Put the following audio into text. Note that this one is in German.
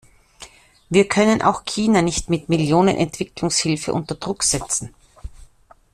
Wir können auch China nicht mit Millionen Entwicklungshilfe unter Druck setzen.